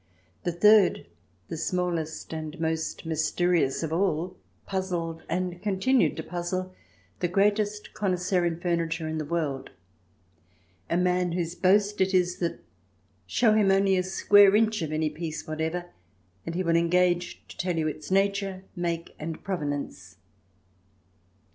The third, the smallest and most mysterious of all, puzzled, and continued to puzzle, the greatest connoisseur in furniture in the world — a man whose boast is that, show him only a square inch of any piece whatever, and he will engage to tell you its nature, make, and provenance.